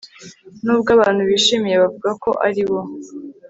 nubwo abantu bishimye bavuga ko ari bo